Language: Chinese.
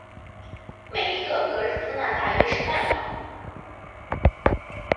每一个格日夫纳大约是半磅。